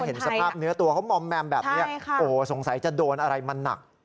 เห็นสภาพเนื้อตัวเขามอมแมมแบบนี้โอ้สงสัยจะโดนอะไรมาหนัก